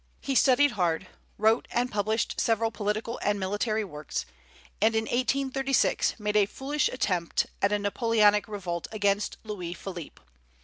He studied hard, wrote and published several political and military works, and in 1836 made a foolish attempt at a Napoleonic revolt against Louis Philippe.